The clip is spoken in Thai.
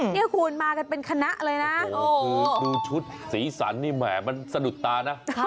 นี่คุณมากันเป็นคณะเลยนะดูชุดสีสันนี่แหมมันสะดุดตานะ